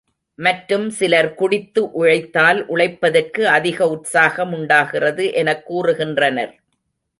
மற்றும் சிலர் குடித்து உழைத்தால் உழைப்பதற்கு அதிக உற்சாகம் உண்டாகிறது எனக் கூறுகின்றனர்.